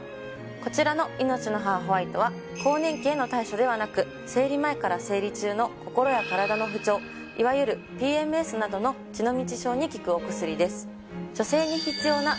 こちらの「命の母ホワイト」は更年期への対処ではなく生理前から生理中のココロやカラダの不調いわゆるＰＭＳなどの血の道症に効くお薬です。